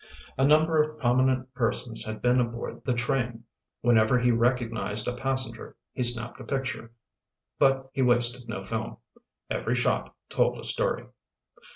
A number of prominent persons had been aboard the train. Whenever he recognized a passenger he snapped a picture, but he wasted no film. Every shot told a story.